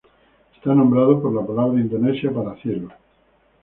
Está nombrado por la palabra indonesia para "cielo".